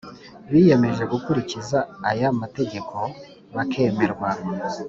Biyemeje gukurikiza aya mategeko bakemerwa